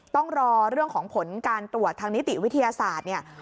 ต้องรอเรื่องของผลการตรวจทางนิติวิทยาศาสตร์เนี่ย